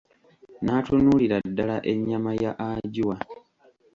N'atunulira ddala ennyama ya Ajua.